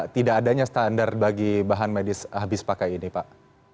tidak adanya standar bagi bahan medis habis pakai ini pak